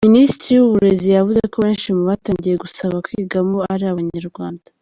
Minisitiri w’Uburezi yavuze ko benshi mu batangiye gusaba kwigamo ari abanyarwanda.